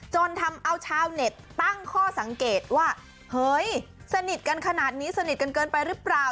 จนทำเอาชาวเน็ตตั้งข้อสังเกตว่าเฮ้ยสนิทกันขนาดนี้สนิทกันเกินไปหรือเปล่า